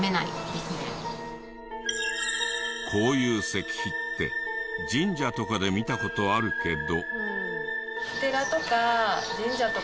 こういう石碑って神社とかで見た事あるけど。